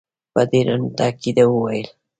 په ډېر تاءکید وویل.